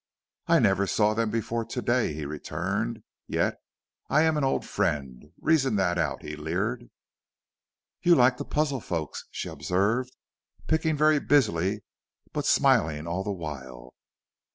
"I never saw them before to day," he returned, "yet I am an old friend. Reason that out," he leered. "You like to puzzle folks," she observed, picking very busily but smiling all the while.